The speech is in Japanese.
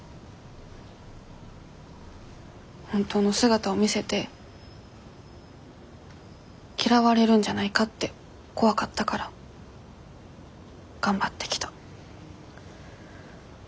本当の姿を見せて嫌われるんじゃないかって怖かったから頑張ってきた。